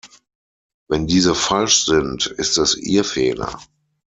Wenn diese falsch sind, ist es ihr Fehler.